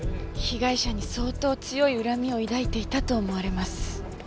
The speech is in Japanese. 被害者に相当強い恨みを抱いていたと思われます。